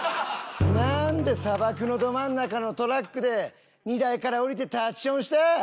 なーんで砂漠のど真ん中のトラックで荷台から降りて立ちションした？